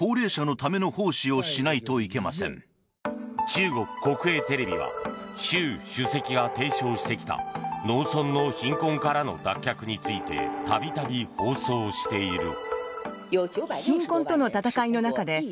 中国国営テレビは習主席が提唱してきた農村の貧困からの脱却について度々放送している。